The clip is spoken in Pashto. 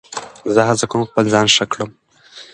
زه هڅه کوم خپل ځان ښه کړم.